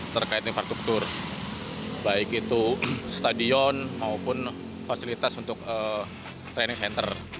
terkait infrastruktur baik itu stadion maupun fasilitas untuk training center